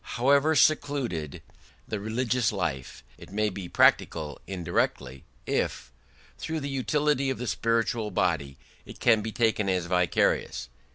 However secluded the religious life, it may be practical indirectly if through the unity of the spiritual body it can be taken as vicarious".